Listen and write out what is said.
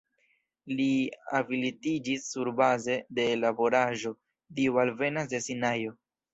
Li habilitiĝis surbaze de laboraĵo "Dio alvenas de Sinajo.